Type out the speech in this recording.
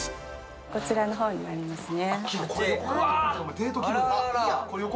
こちらの方になりますね。